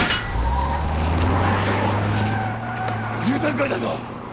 住宅街だぞ。